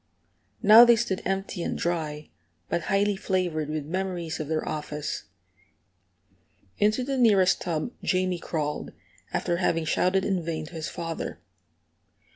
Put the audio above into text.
Now they stood empty and dry, but highly flavored with memories of their office. Into the nearest tub Jamie crawled, after having shouted in vain to his father.